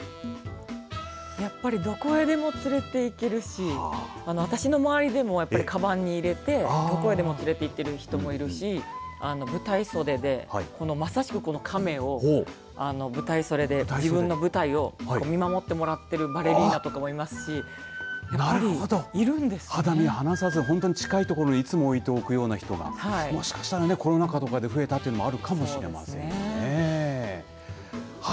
やっぱりどこへでも連れて行けるし私の周りでもかばんに入れてどこへでも連れて行ってる人もいるし舞台袖で、まさしくこの亀を舞台袖でいろんな舞台を見守ってもらっているバレリーナとかもいますしなるほど、肌身離さず本当に近いところにいつも置いておくような人がコロナ禍とかで増えたのかもしれませんね。